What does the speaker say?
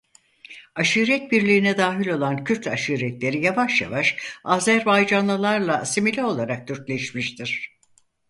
Aşiret birliğine dahil olan Kürt aşiretleri yavaş yavaş Azerbaycanlılara asimile olarak Türkleşmiştir.